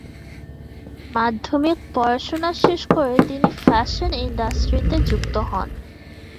মাধ্যমিক পড়াশোনা শেষ করে তিনি ফ্যাশন ইন্ডাস্ট্রিতে যুক্ত হন।